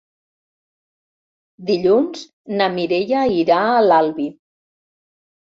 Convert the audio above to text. Dilluns na Mireia irà a l'Albi.